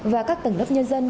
và các tầng lớp nhân dân